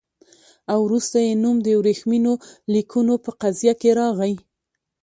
او وروسته یې نوم د ورېښمینو لیکونو په قضیه کې راغی.